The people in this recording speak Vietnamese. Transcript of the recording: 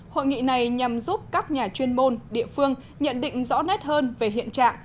hội nghị này nhằm giúp các nhà chuyên môn địa phương nhận định rõ nét hơn về hiện trạng